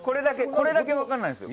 これだけ分かんないんですよ。